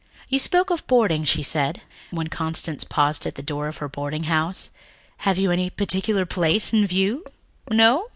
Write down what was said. "You spoke of boarding," she said, when Constance paused at the door of her boarding house. "Have you any particular place in view? No?